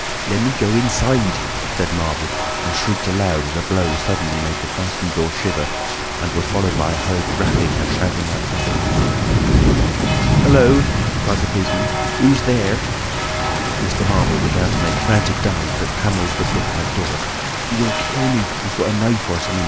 "Lemme go inside," said Marvel, and shrieked aloud as a blow suddenly made the fastened door shiver and was followed by a hurried rapping and a shouting outside. "Hullo," cried the policeman, "who's there?" Mr. Marvel began to make frantic dives at panels that looked like doors. "He'll kill me—he's got a knife or something.